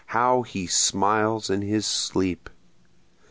how he smiles in his sleep!)